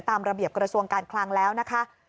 ตามระเบียบกระทรวงการคลังแล้วนะคะ